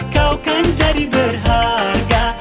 kau kan jadi berharga